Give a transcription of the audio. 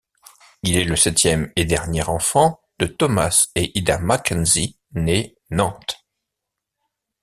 Il est le septième et dernier enfant de Thomas et Ida Mackenzie, née Nantes.